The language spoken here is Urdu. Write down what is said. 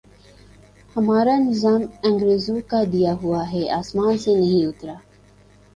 ہمارا نظام انگریزوں کا دیا ہوا ہے، آسمان سے نہیں اترا۔